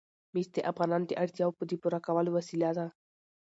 مس د افغانانو د اړتیاوو د پوره کولو وسیله ده.